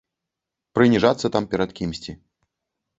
Прыніжацца там перад кімсьці.